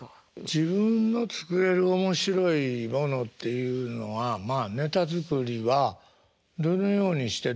自分の作れる面白いものっていうのはまあネタ作りはどのようにしてどんなネタを作ってたんですか？